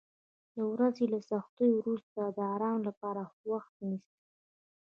د ورځې له سختیو وروسته د آرام لپاره وخت ونیسه.